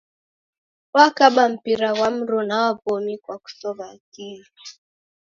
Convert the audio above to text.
Wakaba mpira ghwa mruna wa w'omi kwa kusow'a akili.